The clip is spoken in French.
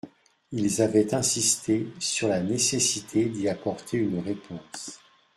Ils avaient insisté sur la nécessité d’y apporter une réponse.